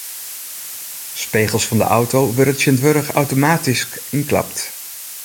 Spegels fan de auto wurde tsjintwurdich automatysk ynklapt.